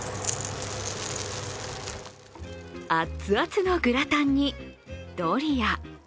熱々のグラタンにドリア。